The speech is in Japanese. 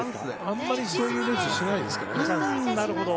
あまりそういうレースはしないですからね。